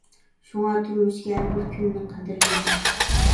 شۇڭا، تۇرمۇشتىكى ھەربىر كۈننىڭ قەدرىگە يېتىڭ.